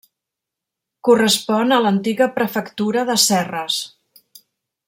Correspon a l'antiga prefectura de Serres.